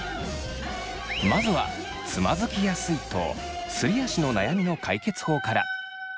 まずは「つまずきやすい」と「すり足」の悩みの解決法から。